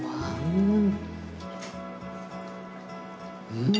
うん！